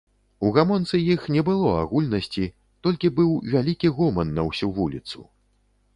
У гамонцы іх не было агульнасці, толькі быў вялікі гоман на ўсю вуліцу.